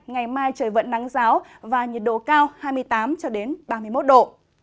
ngày mai trời vẫn nắng giáo và nhiệt độ cao hai mươi tám ba mươi một độ